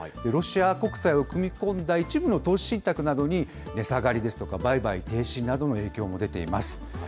ロシア国債を組み込んだ一部の投資信託などに、値下がりですとか、売買停止などの影響も出ています。